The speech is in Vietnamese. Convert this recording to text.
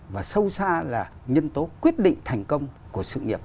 và sâu xa là nhân tố quyết định thành công của sự nghiệp